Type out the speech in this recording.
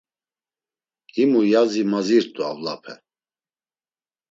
“Himu yazi mazirt̆u avlape.